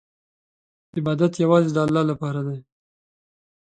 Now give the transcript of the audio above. عبادت یوازې د الله لپاره دی.